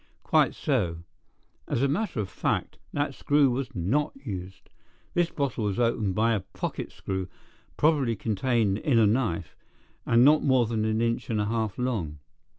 "Quite so. As a matter of fact, that screw was not used. This bottle was opened by a pocket screw, probably contained in a knife, and not more than an inch and a half long.